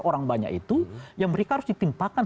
orang banyak itu ya mereka harus ditimpakan